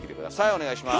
お願いします。